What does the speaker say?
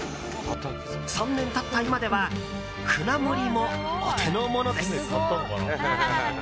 ３年経った今では舟盛りもお手の物です。